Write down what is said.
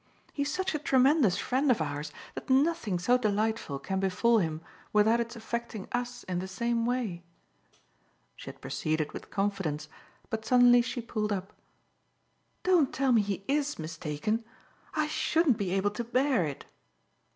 He's such a tremendous friend of ours that nothing so delightful can befall him without its affecting us in the same way." She had proceeded with confidence, but suddenly she pulled up. "Don't tell me he IS mistaken I shouldn't be able to bear it."